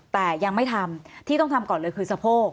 แต่ยังไม่ทำที่ต้องทำก่อนเลยคือสะโพก